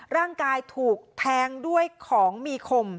ร่างกายถูกแทงด้วยของมีคม